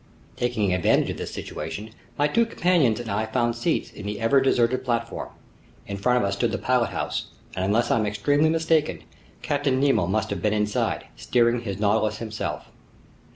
Taking advantage of this situation, my two companions and I found seats on the ever deserted platform. In front of us stood the pilothouse, and unless I'm extremely mistaken, Captain Nemo must have been inside, steering his Nautilus himself.